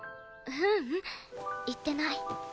ううん言ってない。